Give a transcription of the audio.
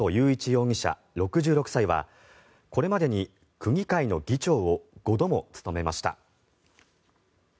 容疑者、６６歳はこれまでに区議会の議長を５度も務めました。